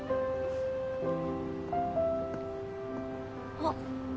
・あっ。